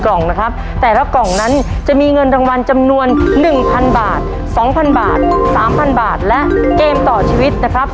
กล่องนะครับแต่ละกล่องนั้นจะมีเงินรางวัลจำนวนหนึ่งพันบาทสองพันบาทสามพันบาทและเกมต่อชีวิตนะครับ